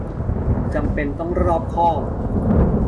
จำเป็นต้องรอบคอบ